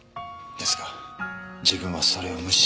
ですが自分はそれを無視して。